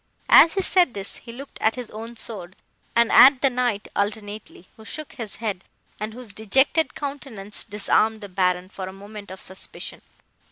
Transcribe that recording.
"As he said this, he looked at his own sword, and at the Knight alternately, who shook his head, and whose dejected countenance disarmed the Baron, for a moment, of suspicion.